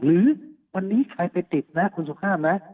หรือวันนี้ใครไปติดนะคุณสุภาพนะ